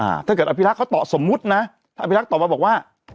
อ่าถ้าเกิดอภิลักษณ์เขาต่อสมมุตินะถ้าอภิลักษณ์ตอบมาบอกว่า